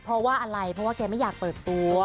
พอว่าอะไรพอว่าแกไม่อยากเปิดตัว